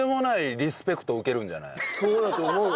そうだと思うよ。